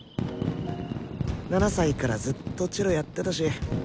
７歳からずっとチェロやってたし。